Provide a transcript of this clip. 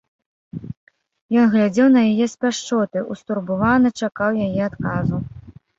Ён глядзеў на яе з пяшчотай, устурбаваны, чакаў яе адказу.